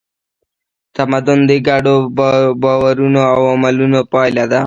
تمدن د ګډو باورونو او عملونو پایله ده.